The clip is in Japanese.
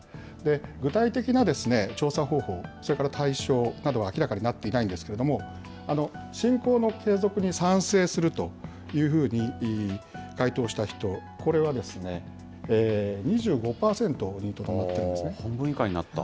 具体的な調査方法、それから対象などは明らかになっていないんですが、侵攻の継続に賛成するというふうに回答した人、これは２５％にと半分以下になった。